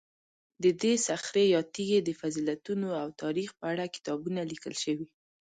د دې صخرې یا تیږې د فضیلتونو او تاریخ په اړه کتابونه لیکل شوي.